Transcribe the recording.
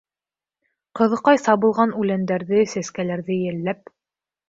Ҡыҙыҡай сабылған үләндәрҙе, сәскәләрҙе йәлләп: